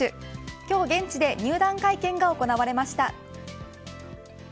今日現地で入団会見が行われました。